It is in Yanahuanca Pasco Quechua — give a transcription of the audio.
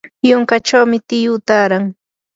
yunkachawmi tiyu taaran.